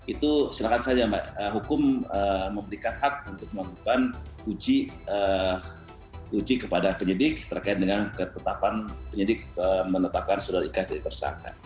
itu silakan saja mbak hukum memberikan hak untuk melakukan uji kepada penyidik terkait dengan ketetapan penyidik menetapkan saudara ika jadi tersangka